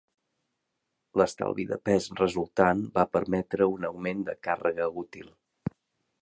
L'estalvi de pes resultant va permetre un augment de càrrega útil.